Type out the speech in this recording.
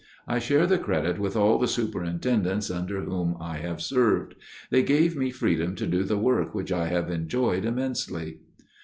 I share the credit with all superintendents under whom I have served. They gave me freedom to do the work which I have enjoyed immensely."